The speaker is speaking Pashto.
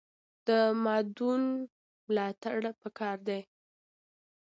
د مادون ملاتړ پکار دی